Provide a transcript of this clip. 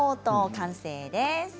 完成です。